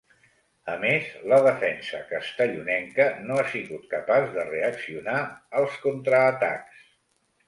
A més la defensa castellonenca no ha sigut capaç de reaccionar als contraatacs.